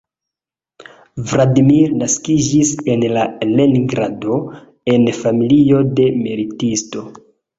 Vladimir naskiĝis la en Leningrado en familio de militisto.